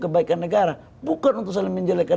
kebaikan negara bukan untuk saling menjelekan